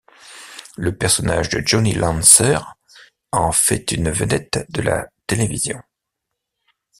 Le personnage de Johnny Lancer en fait une vedette de la télévision.